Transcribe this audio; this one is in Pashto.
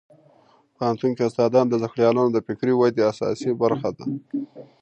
په پوهنتون کې استادان د زده کړیالانو د فکري ودې اساسي برخه ده.